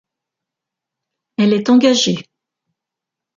Elle est engagée.